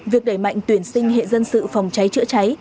việc đẩy mạnh tuyển sinh hệ dân sự phòng cháy chữa cháy